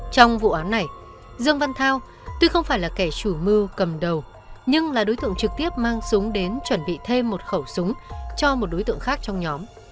trong vụ án này dương văn thao tuy không phải là kẻ chủ mưu cầm đầu nhưng là đối tượng trực tiếp mang súng đến chuẩn bị thêm một khẩu súng cho một đối tượng khác trong nhóm